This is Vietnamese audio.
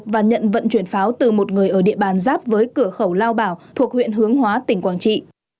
và nhận vận chuyển pháo từ một người ở địa bàn giáp với cửa khẩu lao bảo thuộc huyện hướng hóa tỉnh quảng trị